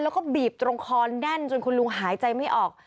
แล้วก็บีบตรงคอแน่นจนคุณลุงหายใจไม่ออก